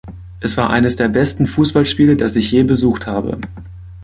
Es war eines der besten Fußballspiele, das ich je besucht habe.